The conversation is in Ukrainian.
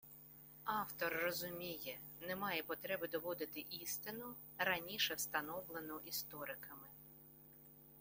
Автор розуміє – немає потреби доводити істину, раніше встановлену істориками